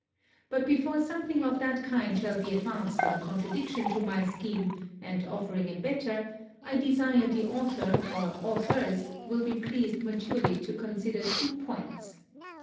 But before something of that kind shall be advanced in contradiction to my scheme, and offering a better, I desire the author or authors will be pleased maturely to consider two points.